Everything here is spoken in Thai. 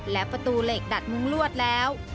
และประตูเหล็กดัดมุ้งลวดแล้ว